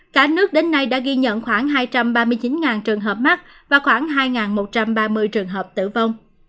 cả nước đến nay đã ghi nhận khoảng hai trăm ba mươi chín trường hợp mắc và khoảng hai một trăm ba mươi trường hợp tử vong